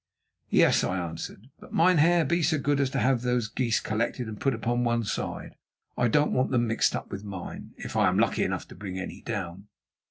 "Yes," I answered; "but, mynheer, be so good as to have those geese collected and put upon one side. I don't want them mixed up with mine, if I am lucky enough to bring any down."